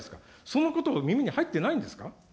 そのことを、耳に入ってないんですか。